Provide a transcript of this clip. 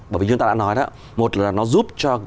bởi vì chúng ta đã nói đó một là nó giúp cho